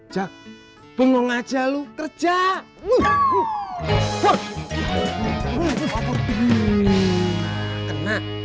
jack bengong aja lu kerja